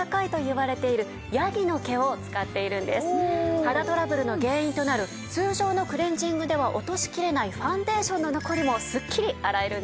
こちらは肌トラブルの原因となる通常のクレンジングでは落としきれないファンデーションの残りもスッキリ洗えるんです！